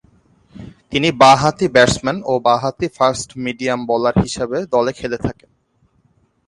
তিনি বা-হাতি ব্যাটসম্যান ও বা-হাতি ফাস্ট-মিডিয়াম বোলার হিসেবে দলে খেলে থাকেন।